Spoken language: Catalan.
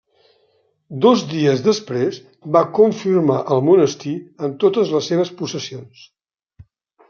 Dos dies després va confirmar al monestir en totes les seves possessions.